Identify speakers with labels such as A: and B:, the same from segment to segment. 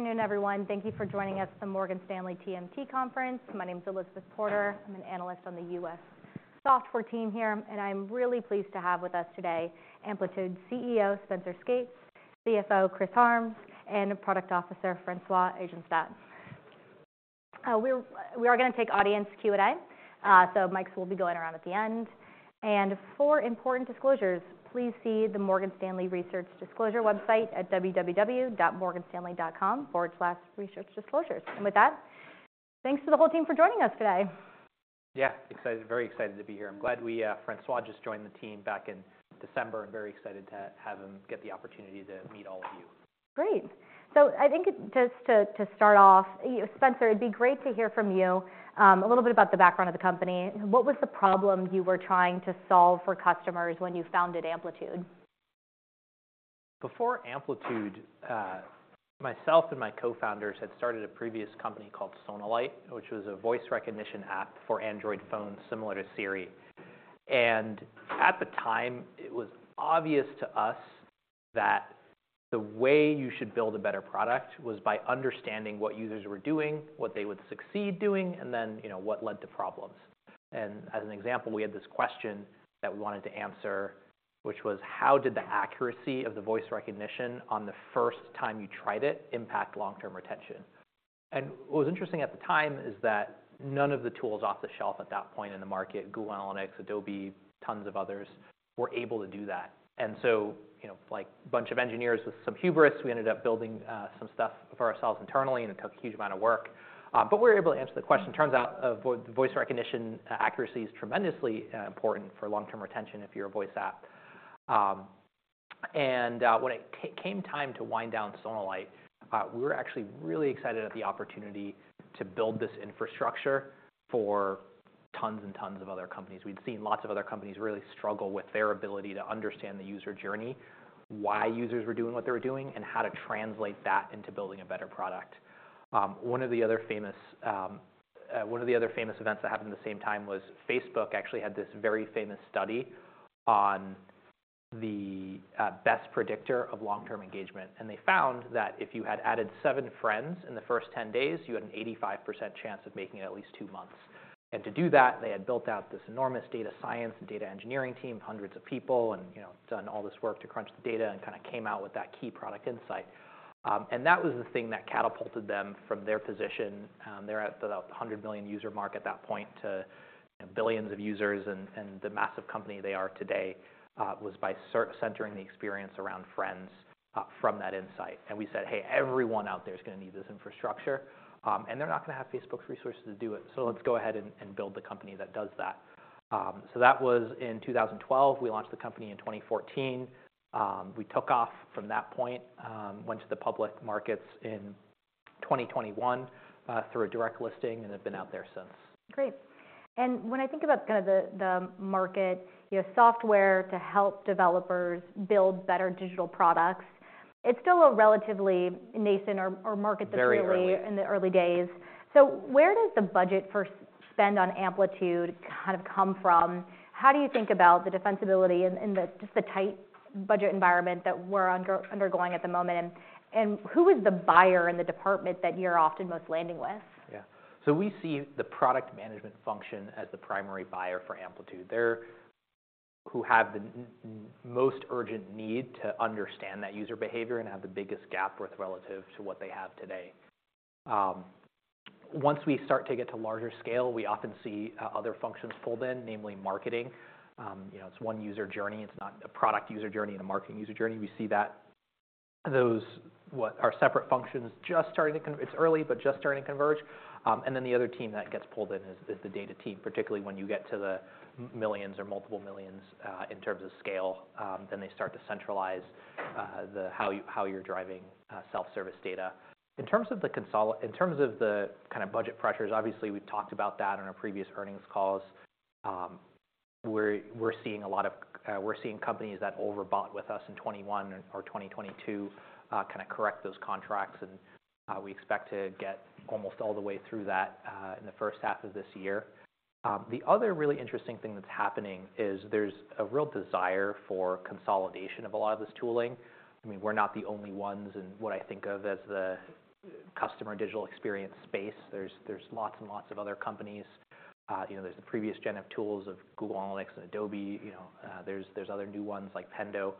A: Good afternoon, everyone. Thank you for joining us at the Morgan Stanley TMT Conference. My name's Elizabeth Porter. I'm an analyst on the U.S. software team here, and I'm really pleased to have with us today Amplitude's CEO Spenser Skates, CFO Chris Harms, and Product Officer François Ajenstat. We are going to take audience Q&A, so mics will be going around at the end. And for important disclosures, please see the Morgan Stanley Research Disclosure website at www.morganstanley.com/researchdisclosures. And with that, thanks to the whole team for joining us today.
B: Yeah, very excited to be here. I'm glad François just joined the team back in December and very excited to have him get the opportunity to meet all of you.
A: Great. I think just to start off, Spenser, it'd be great to hear from you a little bit about the background of the company. What was the problem you were trying to solve for customers when you founded Amplitude?
B: Before Amplitude, myself and my co-founders had started a previous company called Sonalight, which was a voice recognition app for Android phones similar to Siri. And at the time, it was obvious to us that the way you should build a better product was by understanding what users were doing, what they would succeed doing, and then what led to problems. And as an example, we had this question that we wanted to answer, which was, how did the accuracy of the voice recognition on the first time you tried it impact long-term retention? And what was interesting at the time is that none of the tools off the shelf at that point in the market, Google Analytics, Adobe, tons of others, were able to do that. And so like a bunch of engineers with some hubris, we ended up building some stuff for ourselves internally, and it took a huge amount of work. But we were able to answer the question. Turns out, voice recognition accuracy is tremendously important for long-term retention if you're a voice app. And when it came time to wind down Sonalight, we were actually really excited at the opportunity to build this infrastructure for tons and tons of other companies. We'd seen lots of other companies really struggle with their ability to understand the user journey, why users were doing what they were doing, and how to translate that into building a better product. One of the other famous events that happened at the same time was Facebook actually had this very famous study on the best predictor of long-term engagement. And they found that if you had added seven friends in the first 10 days, you had an 85% chance of making it at least two months. And to do that, they had built out this enormous data science and data engineering team of hundreds of people and done all this work to crunch the data and kind of came out with that key product insight. And that was the thing that catapulted them from their position they're at about the 100 million user mark at that point to billions of users. And the massive company they are today was by centering the experience around friends from that insight. And we said, hey, everyone out there is going to need this infrastructure, and they're not going to have Facebook's resources to do it. So let's go ahead and build the company that does that. So that was in 2012. We launched the company in 2014. We took off from that point, went to the public markets in 2021 through a direct listing, and have been out there since.
A: Great. And when I think about kind of the market software to help developers build better digital products, it's still a relatively nascent market that's really in the early days. So where does the budget for spend on Amplitude kind of come from? How do you think about the defensibility in just the tight budget environment that we're undergoing at the moment? And who is the buyer in the department that you're often most landing with?
B: Yeah. So we see the product management function as the primary buyer for Amplitude. They're who have the most urgent need to understand that user behavior and have the biggest gap relative to what they have today. Once we start to get to larger scale, we often see other functions pulled in, namely marketing. It's one user journey. It's not a product user journey and a marketing user journey. We see those what are separate functions just starting to it's early, but just starting to converge. And then the other team that gets pulled in is the data team, particularly when you get to the millions or multiple millions in terms of scale, then they start to centralize how you're driving self-service data. In terms of the kind of budget pressures, obviously, we've talked about that on our previous earnings calls. We're seeing a lot of companies that overbought with us in 2021 or 2022 kind of correct those contracts. We expect to get almost all the way through that in the first half of this year. The other really interesting thing that's happening is there's a real desire for consolidation of a lot of this tooling. I mean, we're not the only ones in what I think of as the customer digital experience space. There's lots and lots of other companies. There's the previous gen of tools of Google Analytics and Adobe. There's other new ones like Pendo.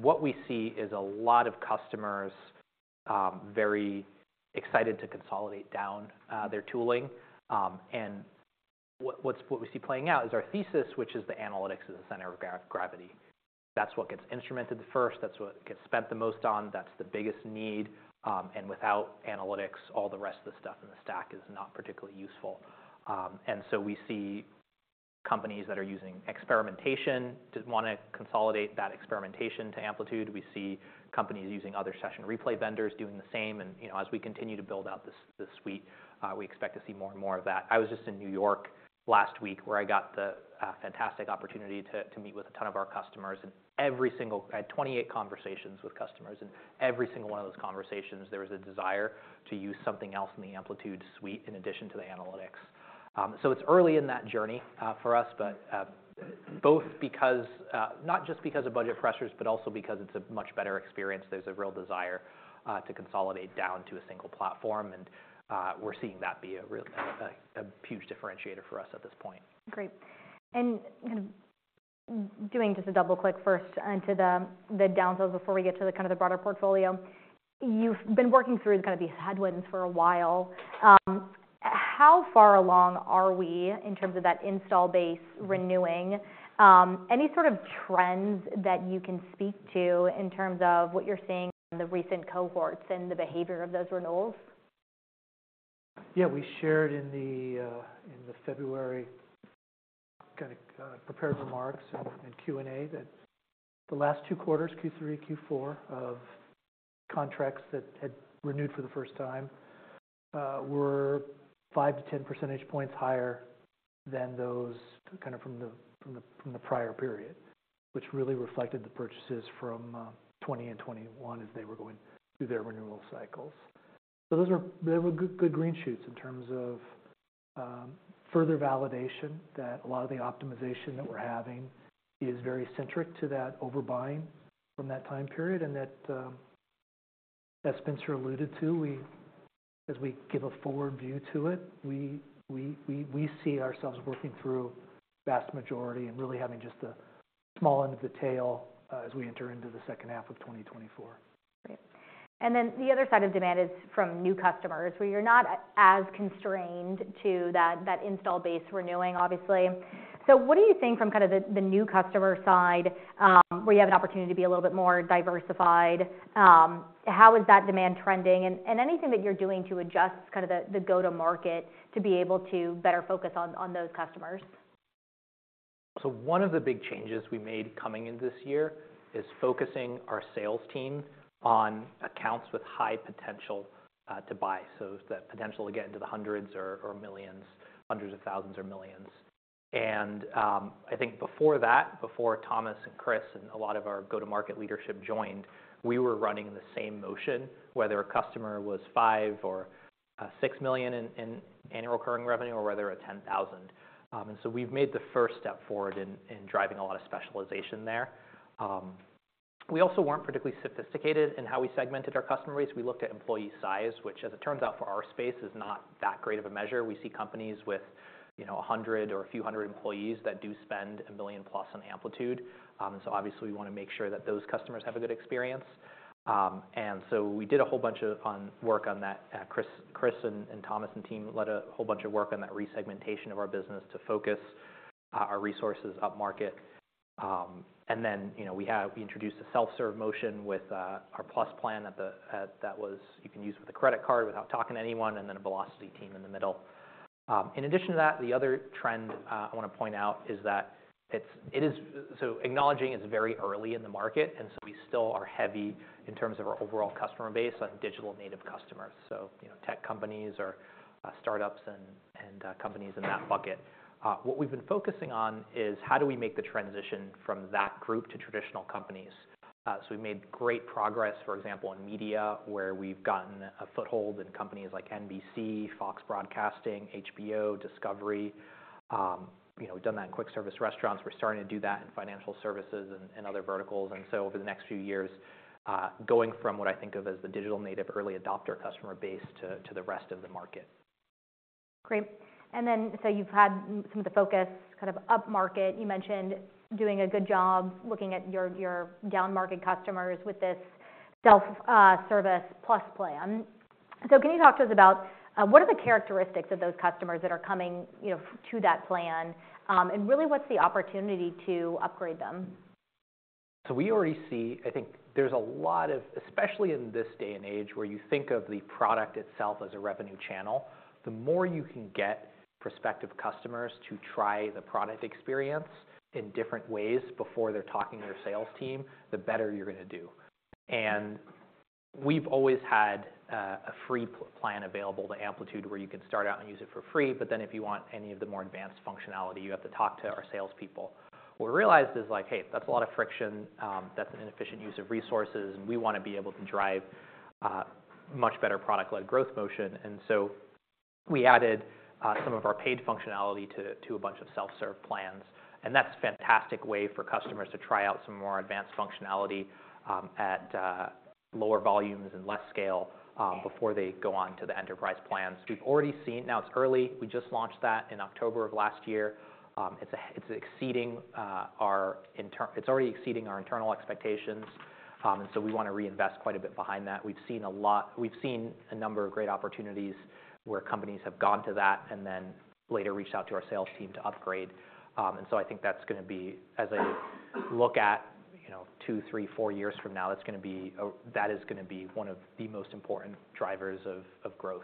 B: What we see is a lot of customers very excited to consolidate down their tooling. What we see playing out is our thesis, which is the analytics is the center of gravity. That's what gets instrumented the first. That's what gets spent the most on. That's the biggest need. Without analytics, all the rest of the stuff in the stack is not particularly useful. So we see companies that are using experimentation to want to consolidate that experimentation to Amplitude. We see companies using other session replay vendors doing the same. As we continue to build out this suite, we expect to see more and more of that. I was just in New York last week, where I got the fantastic opportunity to meet with a ton of our customers. Every single I had 28 conversations with customers. Every single one of those conversations, there was a desire to use something else in the Amplitude suite in addition to the analytics. It's early in that journey for us, but both because not just because of budget pressures, but also because it's a much better experience. There's a real desire to consolidate down to a single platform. We're seeing that be a huge differentiator for us at this point.
A: Great. And kind of doing just a double click first into the downsells before we get to the kind of the broader portfolio, you've been working through kind of these headwinds for a while. How far along are we in terms of that install base renewing? Any sort of trends that you can speak to in terms of what you're seeing in the recent cohorts and the behavior of those renewals?
C: Yeah, we shared in the February kind of prepared remarks and Q&A that the last two quarters, Q3, Q4, of contracts that had renewed for the first time were 5 to 10% points higher than those kind of from the prior period, which really reflected the purchases from 2020 and 2021 as they were going through their renewal cycles. So they were good green shoots in terms of further validation that a lot of the optimization that we're having is very centric to that overbuying from that time period. And as Spenser alluded to, as we give a forward view to it, we see ourselves working through vast majority and really having just the small end of the tail as we enter into the second half of 2024.
A: Great. Then the other side of demand is from new customers, where you're not as constrained to that install base renewing, obviously. So what do you think from kind of the new customer side, where you have an opportunity to be a little bit more diversified? How is that demand trending? And anything that you're doing to adjust kind of the go-to-market to be able to better focus on those customers?
B: So one of the big changes we made coming into this year is focusing our sales team on accounts with high potential to buy, so that potential to get into the hundreds or millions, hundreds of thousands or millions. And I think before that, before Thomas and Chris and a lot of our go-to-market leadership joined, we were running in the same motion, whether a customer was $5 million or $6 million in annual recurring revenue or whether a $10,000. And so we've made the first step forward in driving a lot of specialization there. We also weren't particularly sophisticated in how we segmented our customer base. We looked at employee size, which, as it turns out, for our space is not that great of a measure. We see companies with 100 or a few hundred employees that do spend $1 million plus on Amplitude. And so obviously, we want to make sure that those customers have a good experience. And so we did a whole bunch of work on that. Chris and Thomas and team led a whole bunch of work on that resegmentation of our business to focus our resources up market. And then we introduced a self-service motion with our Plus plan that you can use with a credit card without talking to anyone and then a Velocity team in the middle. In addition to that, the other trend I want to point out is that it is so acknowledging it's very early in the market. And so we still are heavy in terms of our overall customer base on digital native customers, so tech companies or startups and companies in that bucket. What we've been focusing on is how do we make the transition from that group to traditional companies? So we've made great progress, for example, in media, where we've gotten a foothold in companies like NBC, Fox Broadcasting, HBO, Discovery. We've done that in quick service restaurants. We're starting to do that in financial services and other verticals. And so over the next few years, going from what I think of as the digital native early adopter customer base to the rest of the market.
A: Great. And then so you've had some of the focus kind of up market. You mentioned doing a good job looking at your down market customers with this self-service Plus plan. So can you talk to us about what are the characteristics of those customers that are coming to that plan? And really, what's the opportunity to upgrade them?
B: So, we already see, I think, there's a lot of, especially in this day and age, where you think of the product itself as a revenue channel, the more you can get prospective customers to try the product experience in different ways before they're talking to their sales team, the better you're going to do. And we've always had a free plan available to Amplitude, where you can start out and use it for free. But then, if you want any of the more advanced functionality, you have to talk to our salespeople. What we realized is, like, hey, that's a lot of friction. That's an inefficient use of resources. And we want to be able to drive much better product-led growth motion. And so we added some of our paid functionality to a bunch of self-service plans. That's a fantastic way for customers to try out some more advanced functionality at lower volumes and less scale before they go on to the enterprise plans. We've already seen. Now it's early. We just launched that in October of last year. It's already exceeding our internal expectations. And so we want to reinvest quite a bit behind that. We've seen a lot a number of great opportunities where companies have gone to that and then later reached out to our sales team to upgrade. And so I think that's going to be, as I look at two, three, four years from now, one of the most important drivers of growth.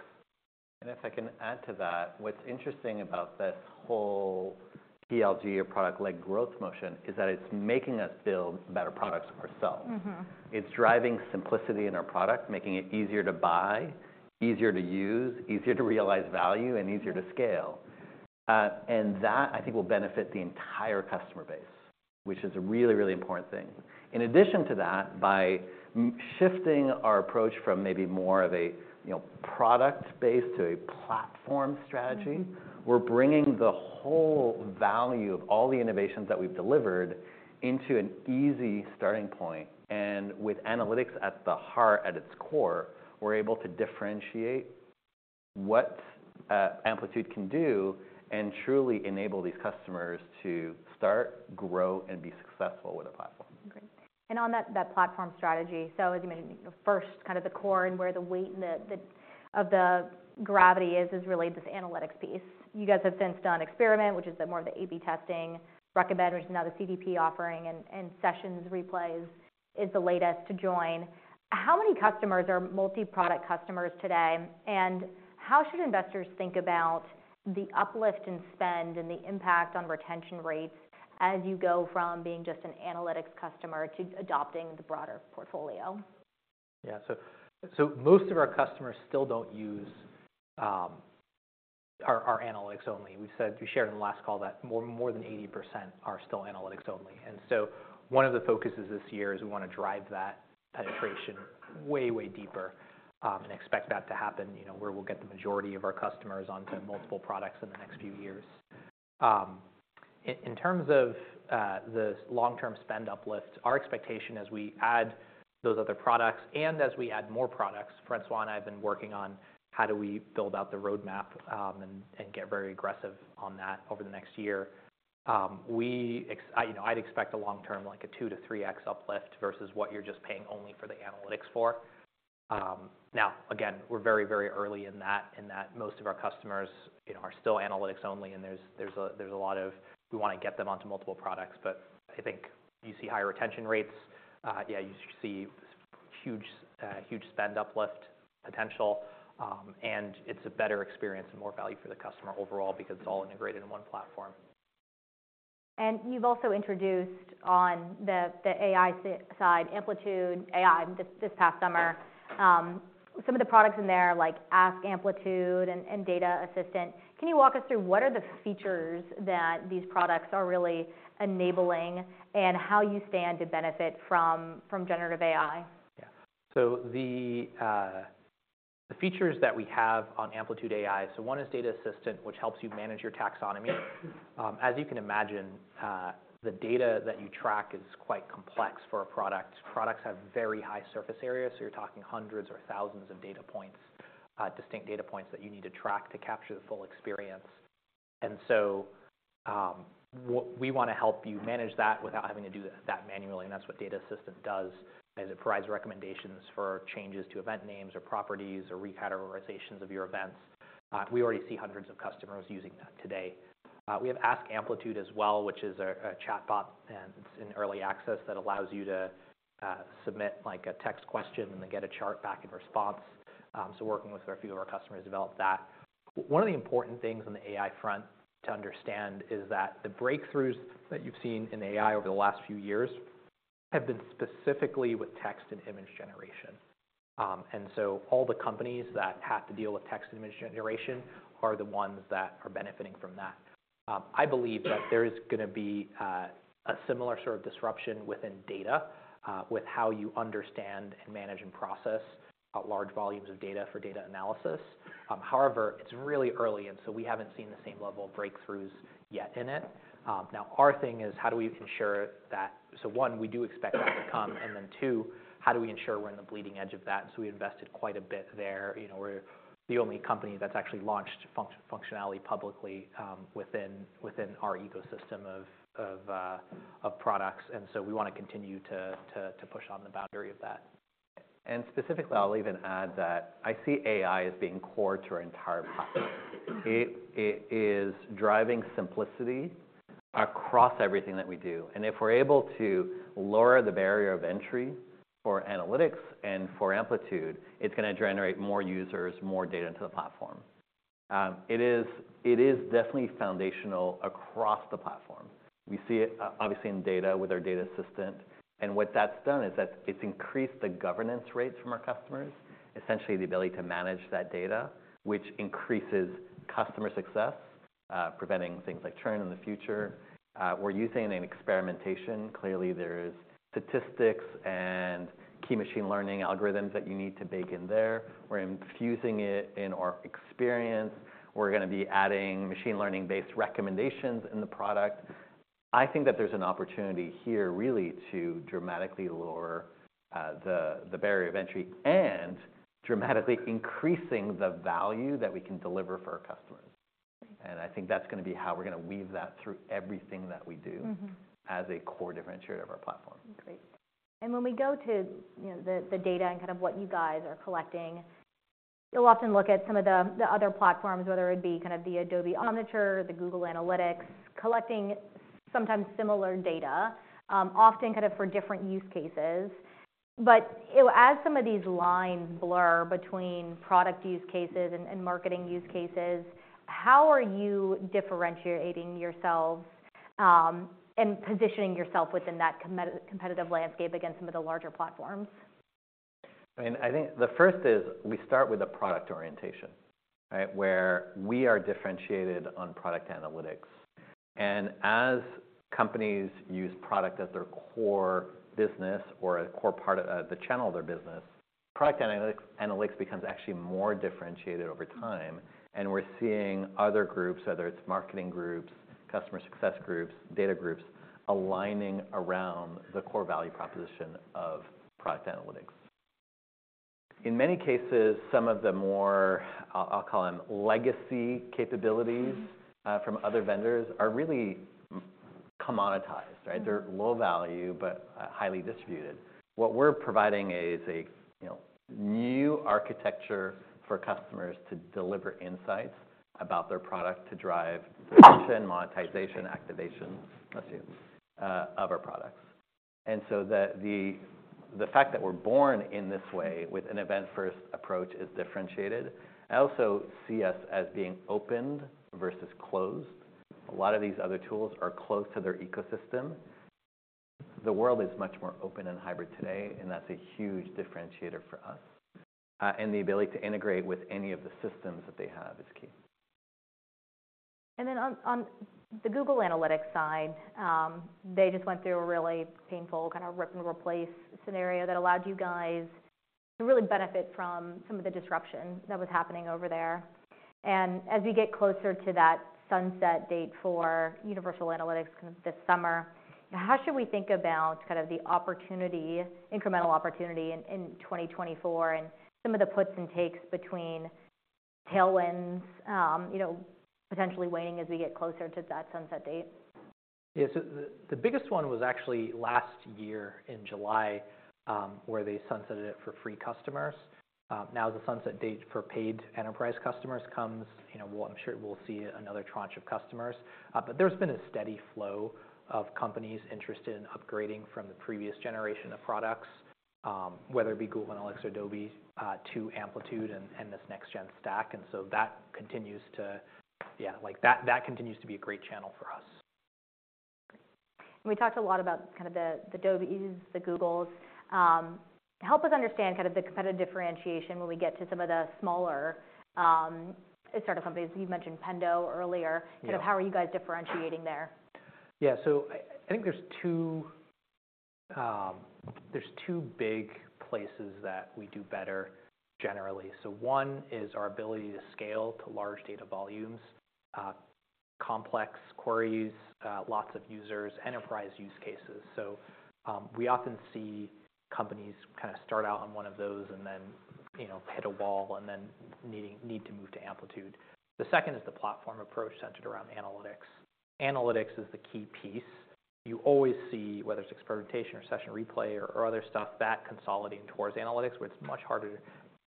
D: And if I can add to that, what's interesting about this whole PLG or product-led growth motion is that it's making us build better products ourselves. It's driving simplicity in our product, making it easier to buy, easier to use, easier to realize value, and easier to scale. And that, I think, will benefit the entire customer base, which is a really, really important thing. In addition to that, by shifting our approach from maybe more of a product-based to a platform strategy, we're bringing the whole value of all the innovations that we've delivered into an easy starting point. And with analytics at the heart, at its core, we're able to differentiate what Amplitude can do and truly enable these customers to start, grow, and be successful with a platform.
A: Great. And on that platform strategy, so as you mentioned, first, kind of the core and where the weight of the gravity is really this Analytics piece. You guys have since done Experiment, which is more of the A/B Testing, Recommend, which is now the CDP offering, and Session Replay is the latest to join. How many customers are multi-product customers today? And how should investors think about the uplift in spend and the impact on retention rates as you go from being just an Analytics customer to adopting the broader portfolio?
B: Yeah. So most of our customers still don't use our analytics only. We've said we shared in the last call that more than 80% are still analytics only. And so one of the focuses this year is we want to drive that penetration way, way deeper and expect that to happen, where we'll get the majority of our customers onto multiple products in the next few years. In terms of the long-term spend uplift, our expectation as we add those other products and as we add more products, François and I have been working on how do we build out the roadmap and get very aggressive on that over the next year. I'd expect a long-term like a 2-3x uplift versus what you're just paying only for the analytics for. Now, again, we're very, very early in that, in that most of our customers are still analytics only. There's a lot of we want to get them onto multiple products. I think you see higher retention rates. Yeah, you see huge, huge spend uplift potential. It's a better experience and more value for the customer overall because it's all integrated in one platform.
A: You've also introduced on the AI side, Amplitude AI, this past summer, some of the products in there like Ask Amplitude and Data Assistant. Can you walk us through what are the features that these products are really enabling and how you stand to benefit from generative AI?
B: Yeah. So the features that we have on Amplitude AI, so one is Data Assistant, which helps you manage your taxonomy. As you can imagine, the data that you track is quite complex for a product. Products have very high surface area. So you're talking hundreds or thousands of data points, distinct data points that you need to track to capture the full experience. And so we want to help you manage that without having to do that manually. And that's what Data Assistant does, is it provides recommendations for changes to event names or properties or recategorizations of your events. We already see hundreds of customers using that today. We have Ask Amplitude as well, which is a chatbot. And it's in early access that allows you to submit like a text question and then get a chart back in response. So, working with a few of our customers developed that. One of the important things on the AI front to understand is that the breakthroughs that you've seen in AI over the last few years have been specifically with text and image generation. And so all the companies that have to deal with text and image generation are the ones that are benefiting from that. I believe that there is going to be a similar sort of disruption within data with how you understand and manage and process large volumes of data for data analysis. However, it's really early. And so we haven't seen the same level of breakthroughs yet in it. Now, our thing is how do we ensure that so one, we do expect that to come. And then two, how do we ensure we're in the bleeding edge of that? We invested quite a bit there. We're the only company that's actually launched functionality publicly within our ecosystem of products. We want to continue to push on the boundary of that.
D: Specifically, I'll even add that I see AI as being core to our entire platform. It is driving simplicity across everything that we do. If we're able to lower the barrier of entry for analytics and for Amplitude, it's going to generate more users, more data into the platform. It is definitely foundational across the platform. We see it obviously in data with our Data Assistant. What that's done is it's increased the governance rates from our customers, essentially the ability to manage that data, which increases customer success, preventing things like churn in the future. We're using it in experimentation. Clearly, there's statistics and key machine learning algorithms that you need to bake in there. We're infusing it in our experience. We're going to be adding machine learning-based recommendations in the product. I think that there's an opportunity here, really, to dramatically lower the barrier of entry and dramatically increasing the value that we can deliver for our customers. And I think that's going to be how we're going to weave that through everything that we do as a core differentiator of our platform.
A: Great. And when we go to the data and kind of what you guys are collecting, you'll often look at some of the other platforms, whether it be kind of the Adobe Omniture, the Google Analytics, collecting sometimes similar data, often kind of for different use cases. But as some of these lines blur between product use cases and marketing use cases, how are you differentiating yourselves and positioning yourself within that competitive landscape against some of the larger platforms?
D: I mean, I think the first is we start with a product orientation, where we are differentiated on product analytics. As companies use product as their core business or a core part of the channel of their business, product analytics becomes actually more differentiated over time. We're seeing other groups, whether it's marketing groups, customer success groups, data groups, aligning around the core value proposition of product analytics. In many cases, some of the more, I'll call them, legacy capabilities from other vendors are really commoditized. They're low value but highly distributed. What we're providing is a new architecture for customers to deliver insights about their product to drive monetization, activation, bless you, of our products. So the fact that we're born in this way with an event-first approach is differentiated. I also see us as being open versus closed. A lot of these other tools are close to their ecosystem. The world is much more open and hybrid today. That's a huge differentiator for us. The ability to integrate with any of the systems that they have is key.
A: And then on the Google Analytics side, they just went through a really painful kind of rip-and-replace scenario that allowed you guys to really benefit from some of the disruption that was happening over there. And as we get closer to that sunset date for Universal Analytics kind of this summer, how should we think about kind of the opportunity, incremental opportunity in 2024 and some of the puts and takes between tailwinds potentially waning as we get closer to that sunset date?
B: Yeah. So the biggest one was actually last year in July, where they sunsetted it for free customers. Now, as the sunset date for paid enterprise customers comes, I'm sure we'll see another tranche of customers. But there's been a steady flow of companies interested in upgrading from the previous generation of products, whether it be Google Analytics, Adobe, to Amplitude and this next-gen stack. And so that continues to be a great channel for us.
A: Great. We talked a lot about kind of the Adobes, the Googles. Help us understand kind of the competitive differentiation when we get to some of the smaller startup companies. You've mentioned Pendo earlier. Kind of how are you guys differentiating there?
B: Yeah. So I think there's two big places that we do better generally. So one is our ability to scale to large data volumes, complex queries, lots of users, enterprise use cases. So we often see companies kind of start out on one of those and then hit a wall and then need to move to Amplitude. The second is the platform approach centered around analytics. Analytics is the key piece. You always see, whether it's experimentation or session replay or other stuff, that consolidating towards analytics, where it's much harder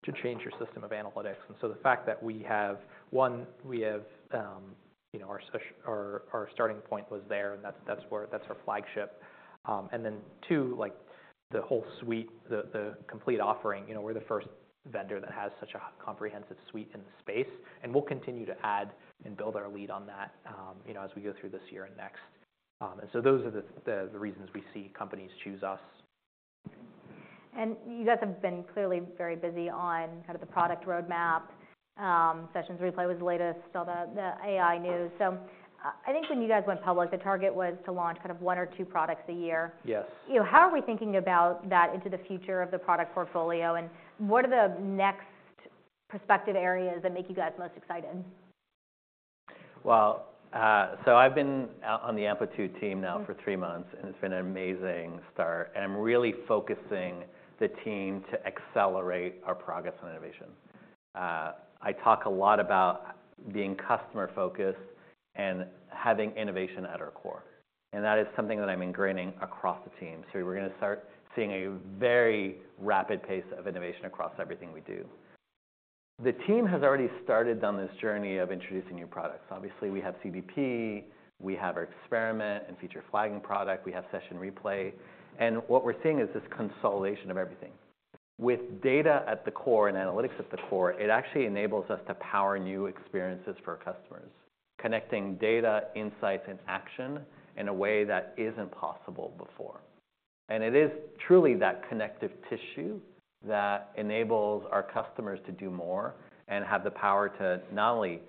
B: to change your system of analytics. And so the fact that we have one, we have our starting point was there. And that's our flagship. And then two, the whole suite, the complete offering, we're the first vendor that has such a comprehensive suite in the space. We'll continue to add and build our lead on that as we go through this year and next. And so those are the reasons we see companies choose us.
A: You guys have been clearly very busy on kind of the product roadmap. Session Replay was the latest, all the AI news. I think when you guys went public, the target was to launch kind of one or two products a year.
B: Yes.
A: How are we thinking about that into the future of the product portfolio? What are the next prospective areas that make you guys most excited?
D: Well, so I've been on the Amplitude team now for three months. It's been an amazing start. I'm really focusing the team to accelerate our progress on innovation. I talk a lot about being customer-focused and having innovation at our core. That is something that I'm ingraining across the team. We're going to start seeing a very rapid pace of innovation across everything we do. The team has already started on this journey of introducing new products. Obviously, we have CDP. We have our Experiment and feature flagging product. We have Session Replay. What we're seeing is this consolidation of everything. With data at the core and analytics at the core, it actually enables us to power new experiences for our customers, connecting data, insights, and action in a way that isn't possible before. It is truly that connective tissue that enables our customers to do more and have the power to not only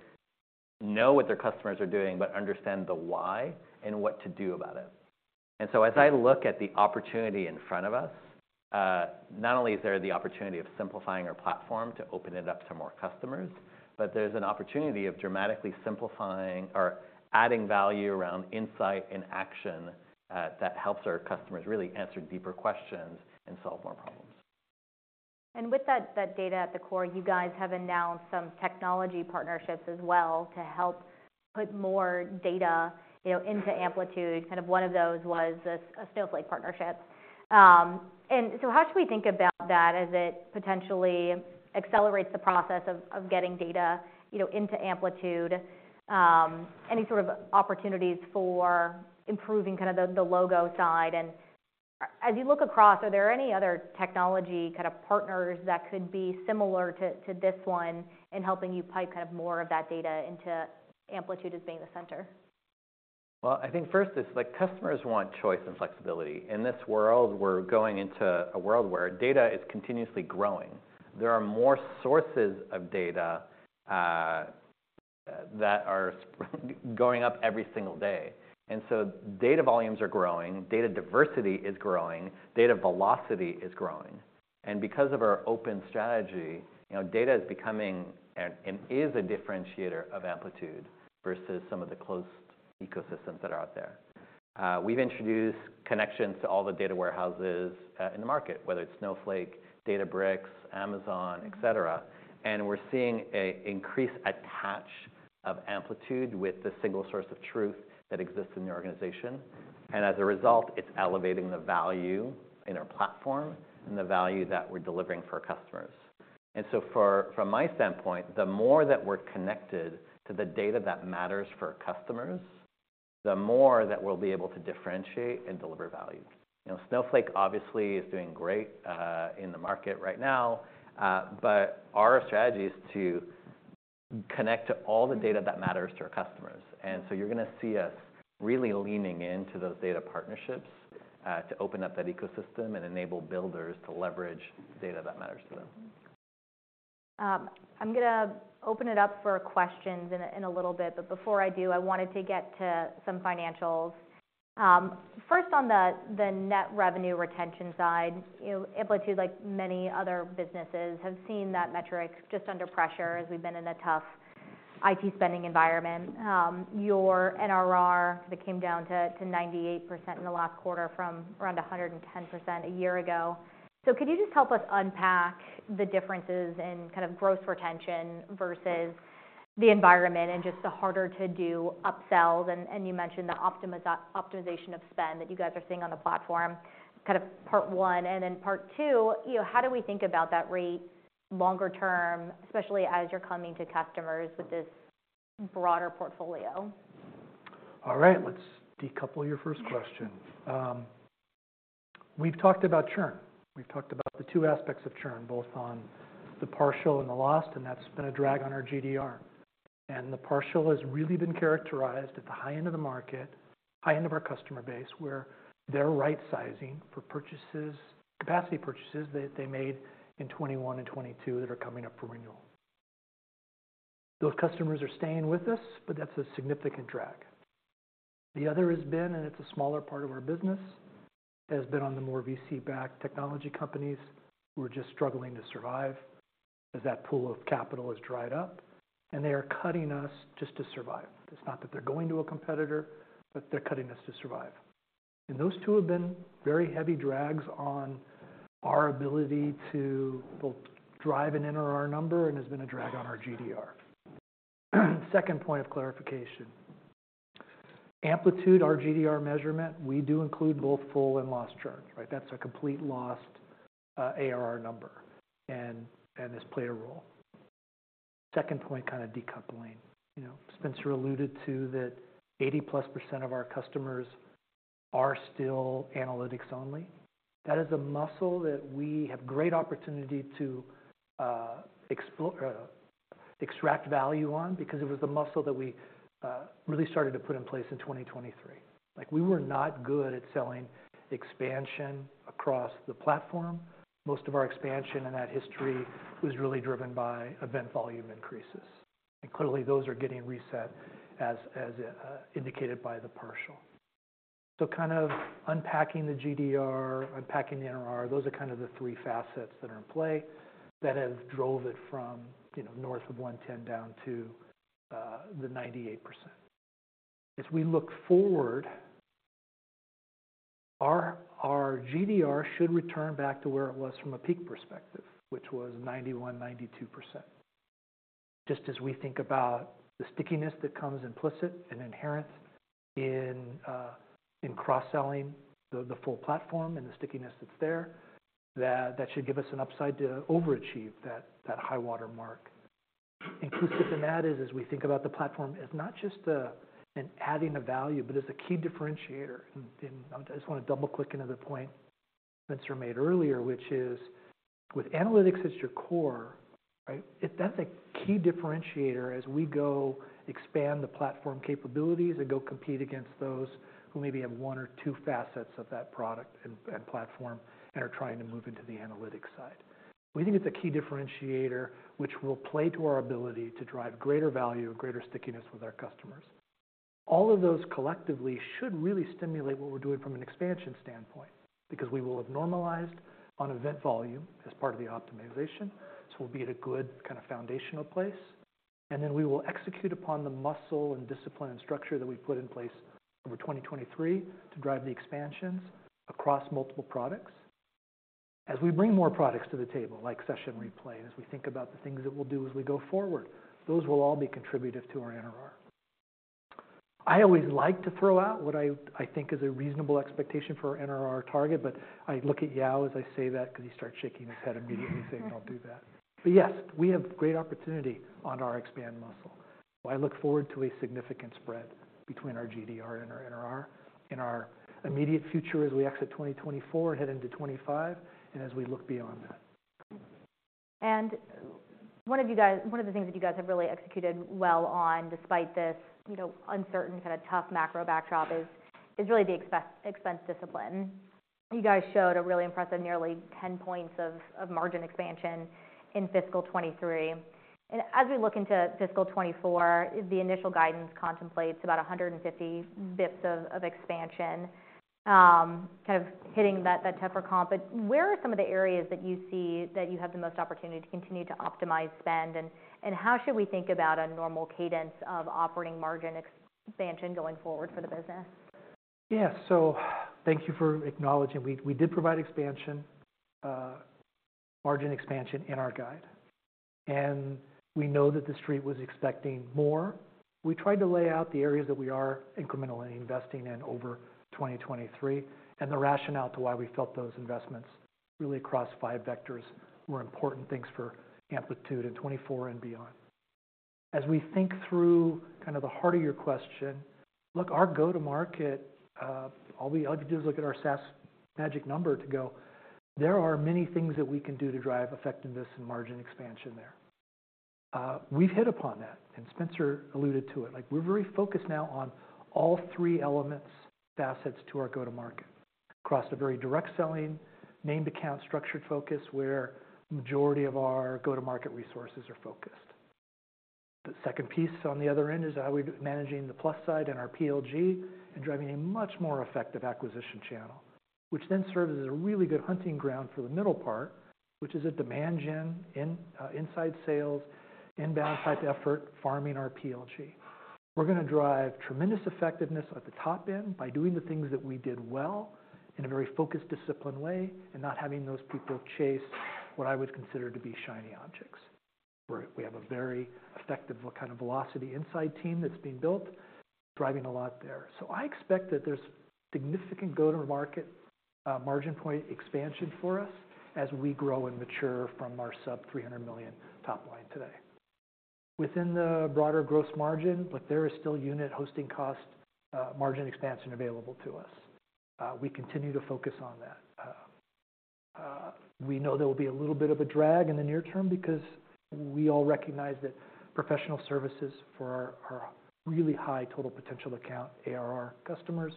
D: know what their customers are doing but understand the why and what to do about it. So as I look at the opportunity in front of us, not only is there the opportunity of simplifying our platform to open it up to more customers, but there's an opportunity of dramatically simplifying or adding value around insight and action that helps our customers really answer deeper questions and solve more problems.
A: With that data at the core, you guys have announced some technology partnerships as well to help put more data into Amplitude. Kind of one of those was a Snowflake partnership. So how should we think about that as it potentially accelerates the process of getting data into Amplitude? Any sort of opportunities for improving kind of the logo side? And as you look across, are there any other technology kind of partners that could be similar to this one in helping you pipe kind of more of that data into Amplitude as being the center?
B: Well, I think first, customers want choice and flexibility. In this world, we're going into a world where data is continuously growing. There are more sources of data that are going up every single day. And so data volumes are growing. Data diversity is growing. Data velocity is growing. And because of our open strategy, data is becoming and is a differentiator of Amplitude versus some of the closed ecosystems that are out there. We've introduced connections to all the data warehouses in the market, whether it's Snowflake, Databricks, Amazon, et cetera. And we're seeing an increased attach of Amplitude with the single source of truth that exists in the organization. And as a result, it's elevating the value in our platform and the value that we're delivering for our customers. From my standpoint, the more that we're connected to the data that matters for our customers, the more that we'll be able to differentiate and deliver value. Snowflake obviously is doing great in the market right now. But our strategy is to connect to all the data that matters to our customers. You're going to see us really leaning into those data partnerships to open up that ecosystem and enable builders to leverage the data that matters to them.
A: I'm going to open it up for questions in a little bit. But before I do, I wanted to get to some financials. First, on the net revenue retention side, Amplitude, like many other businesses, have seen that metric just under pressure as we've been in a tough IT spending environment. Your NRR came down to 98% in the last quarter from around 110% a year ago. So could you just help us unpack the differences in kind of gross retention versus the environment and just the harder-to-do upsells? And you mentioned the optimization of spend that you guys are seeing on the platform, kind of part one. And then part two, how do we think about that rate longer term, especially as you're coming to customers with this broader portfolio?
C: All right. Let's decouple your first question. We've talked about churn. We've talked about the two aspects of churn, both on the partial and the lost. That's been a drag on our GDR. The partial has really been characterized at the high end of the market, high end of our customer base, where they're right-sizing for capacity purchases that they made in 2021 and 2022 that are coming up for renewal. Those customers are staying with us. That's a significant drag. The other has been, and it's a smaller part of our business, has been on the more VC-backed technology companies who are just struggling to survive as that pool of capital has dried up. They are cutting us just to survive. It's not that they're going to a competitor, but they're cutting us to survive. Those two have been very heavy drags on our ability to both drive an NRR number and has been a drag on our GDR. Second point of clarification, Amplitude, our GDR measurement, we do include both full and lost churn. That's a complete lost ARR number. This played a role. Second point, kind of decoupling. Spenser alluded to that 80%+ of our customers are still analytics only. That is a muscle that we have great opportunity to extract value on because it was the muscle that we really started to put in place in 2023. We were not good at selling expansion across the platform. Most of our expansion in that history was really driven by event volume increases. Clearly, those are getting reset, as indicated by the partial. So kind of unpacking the GDR, unpacking the NRR, those are kind of the three facets that are in play that have drove it from north of 110 down to the 98%. As we look forward, our GDR should return back to where it was from a peak perspective, which was 91%, 92%, just as we think about the stickiness that comes implicit and inherent in cross-selling the full platform and the stickiness that's there. That should give us an upside to overachieve that high watermark. Inclusive in that is, as we think about the platform, it's not just in adding a value, but it's a key differentiator. I just want to double-click into the point Spenser made earlier, which is, with analytics at your core, that's a key differentiator as we go expand the platform capabilities and go compete against those who maybe have one or two facets of that product and platform and are trying to move into the analytics side. We think it's a key differentiator, which will play to our ability to drive greater value and greater stickiness with our customers. All of those collectively should really stimulate what we're doing from an expansion standpoint because we will have normalized on event volume as part of the optimization. We'll be at a good kind of foundational place. Then we will execute upon the muscle and discipline and structure that we put in place over 2023 to drive the expansions across multiple products. As we bring more products to the table, like session replay, and as we think about the things that we'll do as we go forward, those will all be contributive to our NRR. I always like to throw out what I think is a reasonable expectation for our NRR target. But I look at Yaoxian as I say that because he starts shaking his head immediately, saying, "Don't do that." But yes, we have great opportunity on our expand muscle. I look forward to a significant spread between our GDR and our NRR in our immediate future as we exit 2024 and head into 2025 and as we look beyond that.
A: And one of the things that you guys have really executed well on, despite this uncertain, kind of tough macro backdrop, is really the expense discipline. You guys showed a really impressive nearly 10 points of margin expansion in fiscal 2023. And as we look into fiscal 2024, the initial guidance contemplates about 150 bips of expansion, kind of hitting that TEFR comp. But where are some of the areas that you see that you have the most opportunity to continue to optimize spend? And how should we think about a normal cadence of operating margin expansion going forward for the business?
C: Yeah. So thank you for acknowledging. We did provide margin expansion in our guide. And we know that the street was expecting more. We tried to lay out the areas that we are incrementally investing in over 2023 and the rationale to why we felt those investments really across five vectors were important things for Amplitude in 2024 and beyond. As we think through kind of the heart of your question, look, our go-to-market, all we have to do is look at our SaaS magic number to go, there are many things that we can do to drive effectiveness and margin expansion there. We've hit upon that. And Spenser alluded to it. We're very focused now on all three elements, facets to our go-to-market across a very direct selling, named account, structured focus, where the majority of our go-to-market resources are focused. The second piece on the other end is how we're managing the plus side and our PLG and driving a much more effective acquisition channel, which then serves as a really good hunting ground for the middle part, which is a demand gen inside sales, inbound type effort, farming our PLG. We're going to drive tremendous effectiveness at the top end by doing the things that we did well in a very focused, disciplined way and not having those people chase what I would consider to be shiny objects. We have a very effective kind of velocity inside team that's being built, driving a lot there. So I expect that there's significant go-to-market margin point expansion for us as we grow and mature from our sub-$300 million top line today. Within the broader gross margin, there is still unit hosting cost margin expansion available to us. We continue to focus on that. We know there will be a little bit of a drag in the near term because we all recognize that professional services for our really high total potential account, ARR, customers,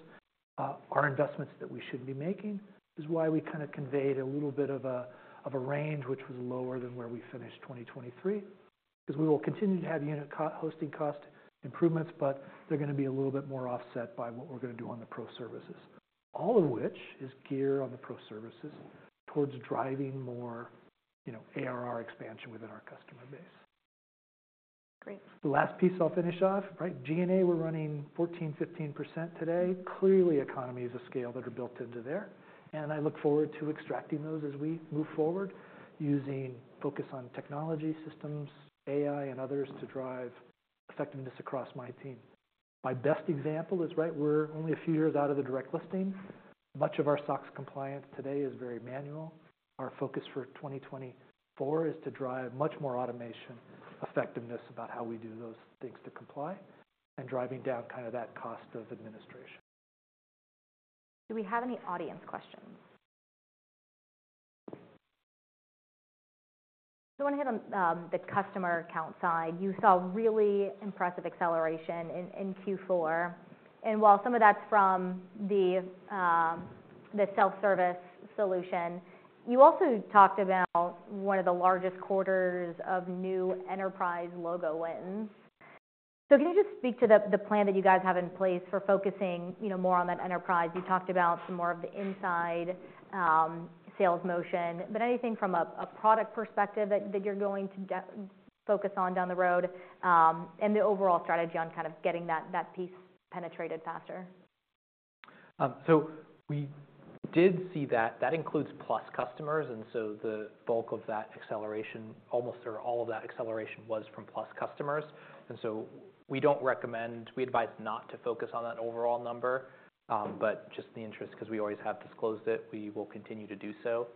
C: our investments that we shouldn't be making is why we kind of conveyed a little bit of a range, which was lower than where we finished 2023 because we will continue to have unit hosting cost improvements. But they're going to be a little bit more offset by what we're going to do on the pro services, all of which is geared on the pro services towards driving more ARR expansion within our customer base.
A: Great.
C: The last piece I'll finish off, G&A, we're running 14%-15% today. Clearly, economies of scale that are built into there. I look forward to extracting those as we move forward, focusing on technology, systems, AI, and others to drive effectiveness across my team. My best example is we're only a few years out of the direct listing. Much of our SOX compliance today is very manual. Our focus for 2024 is to drive much more automation, effectiveness about how we do those things to comply and driving down kind of that cost of administration.
A: Do we have any audience questions? So I want to hit on the customer account side. You saw really impressive acceleration in Q4. And while some of that's from the self-service solution, you also talked about one of the largest quarters of new enterprise logo wins. So can you just speak to the plan that you guys have in place for focusing more on that enterprise? You talked about some more of the inside sales motion. But anything from a product perspective that you're going to focus on down the road and the overall strategy on kind of getting that piece penetrated faster?
B: So we did see that. That includes Plus customers. And so the bulk of that acceleration, almost all of that acceleration, was from Plus customers. And so we don't recommend we advise not to focus on that overall number. But just in the interest, because we always have disclosed it, we will continue to do so.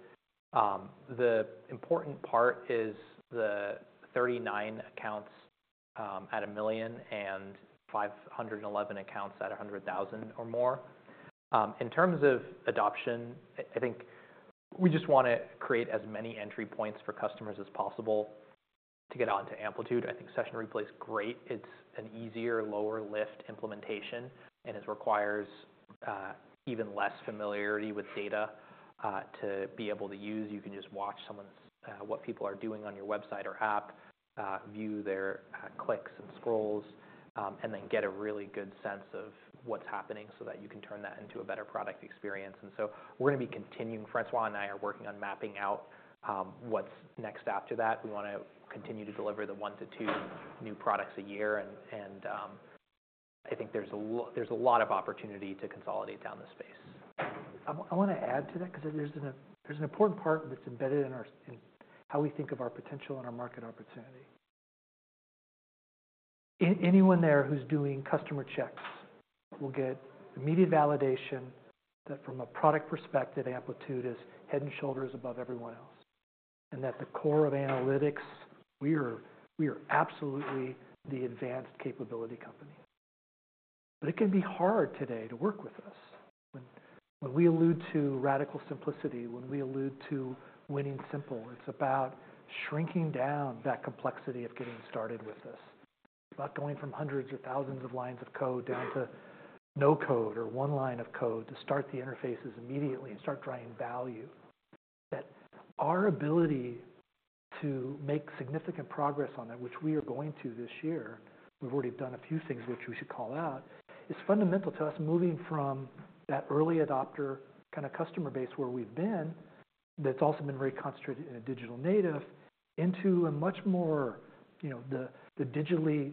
B: The important part is the 39 accounts at $1 million and 511 accounts at $100,000 or more. In terms of adoption, I think we just want to create as many entry points for customers as possible to get onto Amplitude. I think Session Replay, it's great. It's an easier, lower-lift implementation. And it requires even less familiarity with data to be able to use. You can just watch what people are doing on your website or app, view their clicks and scrolls, and then get a really good sense of what's happening so that you can turn that into a better product experience. So we're going to be continuing. François and I are working on mapping out what's next after that. We want to continue to deliver 1-2 new products a year. And I think there's a lot of opportunity to consolidate down the space. I want to add to that because there's an important part that's embedded in how we think of our potential and our market opportunity. Anyone there who's doing customer checks will get immediate validation that, from a product perspective, Amplitude is head and shoulders above everyone else and that the core of analytics, we are absolutely the advanced capability company. But it can be hard today to work with us. When we allude to radical simplicity, when we allude to winning simple, it's about shrinking down that complexity of getting started with this, about going from hundreds or thousands of lines of code down to no code or one line of code to start the interfaces immediately and start drawing value. That our ability to make significant progress on that, which we are going to this year. We've already done a few things which we should call out is fundamental to us moving from that early adopter kind of customer base where we've been. That's also been very concentrated in a digital native into a much more digitally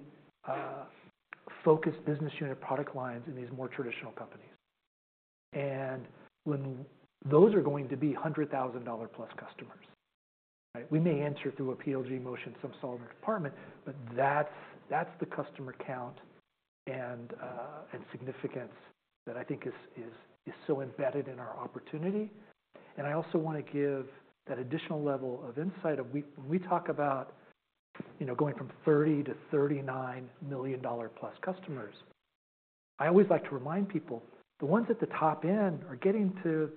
B: focused business unit, product lines in these more traditional companies. And those are going to be $100,000-plus customers. We may enter through a PLG motion some siloed department. But that's the customer count and significance that I think is so embedded in our opportunity. And I also want to give that additional level of insight. When we talk about going from 30 to $39 million-plus customers, I always like to remind people, the ones at the top end are getting to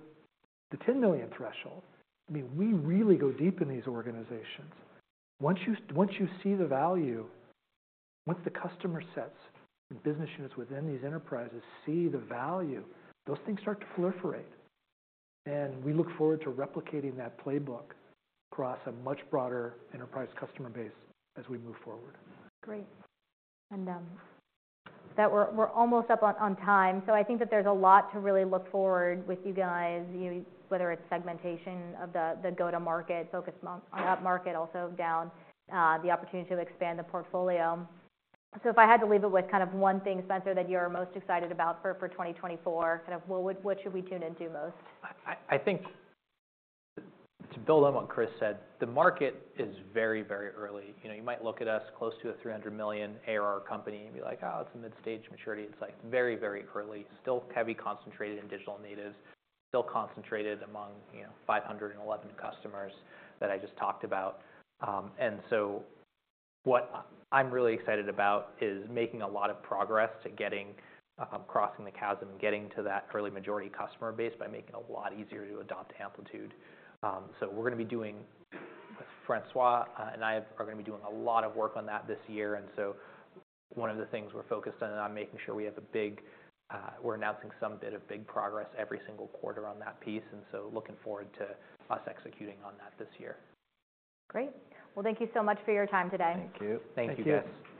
B: the 10 million threshold. I mean, we really go deep in these organizations. Once you see the value, once the customer sets and business units within these enterprises see the value, those things start to proliferate. We look forward to replicating that playbook across a much broader enterprise customer base as we move forward.
A: Great. We're almost up on time. I think that there's a lot to really look forward with you guys, whether it's segmentation of the go-to-market, focus on upmarket, also down, the opportunity to expand the portfolio. If I had to leave it with kind of one thing, Spenser, that you're most excited about for 2024, kind of what should we tune into most?
B: I think to build on what Chris said, the market is very, very early. You might look at us close to a $300 million ARR company and be like, "Oh, it's a mid-stage maturity." It's very, very early, still heavily concentrated in digital natives, still concentrated among 511 customers that I just talked about. And so what I'm really excited about is making a lot of progress to crossing the chasm and getting to that early majority customer base by making it a lot easier to adopt Amplitude. So we're going to be doing François and I are going to be doing a lot of work on that this year. And so one of the things we're focused on is making sure we have a big we're announcing some bit of big progress every single quarter on that piece. And so looking forward to us executing on that this year.
A: Great. Well, thank you so much for your time today.
B: Thank you. Thank you, guys.
C: Thank you.